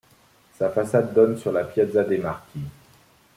Sa façade donne sur la piazza de Marchi.